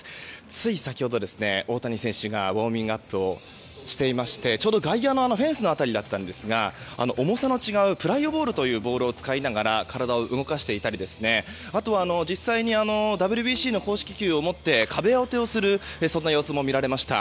つい先ほど、大谷選手がウォーミングアップをしていてちょうど外野のフェンスの辺りだったんですが重さの違うプライオボールというボールを使いながら体を動かしていたり実際にＷＢＣの公式球を持って壁打ちをする様子も見られました。